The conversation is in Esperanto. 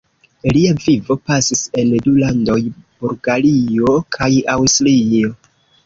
Lia vivo pasis en du landoj: Bulgario kaj Aŭstrio.